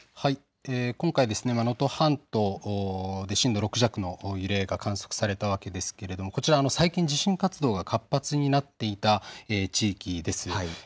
今回、能登半島で震度６弱の揺れが観測されたわけですが最近、地震活動が活発になっていた地域です。